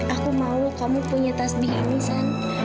aku mau kamu punya tasbih ini san